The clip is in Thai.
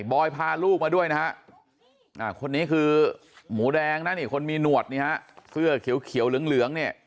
บอยพาลูกมาด้วยนะฮะคนนี้คือหมูแดงนะคนมีหนวดเสื้อเขียวเหลือง